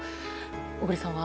小栗さんは？